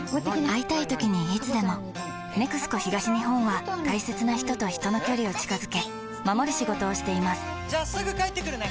会いたいときにいつでも「ＮＥＸＣＯ東日本」は大切な人と人の距離を近づけ守る仕事をしていますじゃあすぐ帰ってくるね！